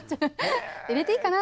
入れていいかな！